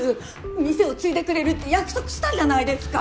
店を継いでくれるって約束したじゃないですか！